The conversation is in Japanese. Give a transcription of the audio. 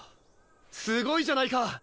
すごいじゃないか。